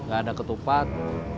gak ada ketupat